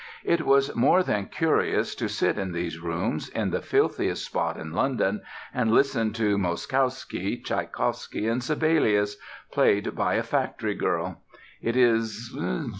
It is more than curious to sit in these rooms, in the filthiest spot in London, and listen to Moszkowsky, Tchaikowsky, and Sibelius, played by a factory girl. It is